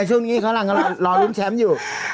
ช่วงนี้เขากำลังรอลุ้นแชมป์อยู่